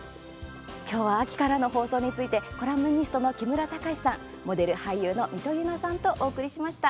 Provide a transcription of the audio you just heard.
今日は秋からの放送についてコラムニストの木村隆志さんモデル、俳優のみとゆなさんとお送りしました。